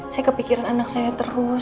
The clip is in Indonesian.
saya kepikiran anak saya terus